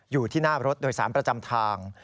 อยู่ที่หน้ารถโดยสารประจำทาง